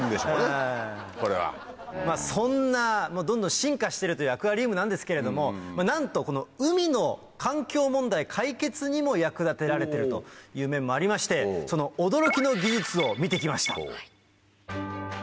そんなどんどん進化してるというアクアリウムなんですけれどもなんとこの海の環境問題解決にも役立てられてるという面もありましてその驚きの技術を見てきました。